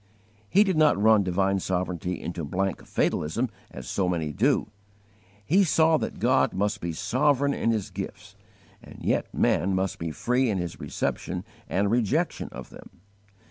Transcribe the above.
He did not run divine sovereignty into blank fatalism as so many do. He saw that God must be sovereign in His gifts, and yet man must be free in his reception and rejection of them.